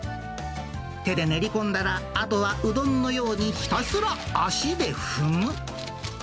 手で練り込んだら、あとはうどんのようにひたすら足で踏む。